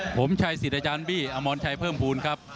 ผมชัยสิรจารบี้อมอนชัยเพิ่มภูมิครับ